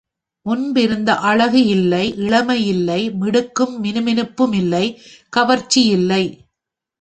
முன்பிருந்த அழகு இல்லை, இளமை இல்லை, மிடுக்கும் மினுமினுப்புமிமில்லை, கவர்ச்சி இல்லை.